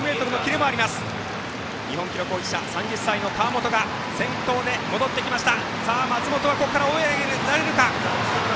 日本記録保持者、３０歳の川元が先頭で戻ってきました。